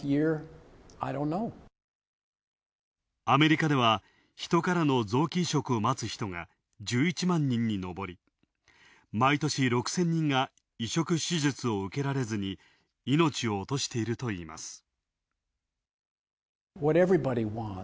アメリカでは、ヒトからの臓器移植を待つ人が１１万人にのぼり毎年６０００人が移植手術を受けられずに命を落としているといいます。